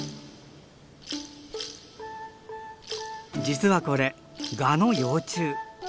実はこれガの幼虫。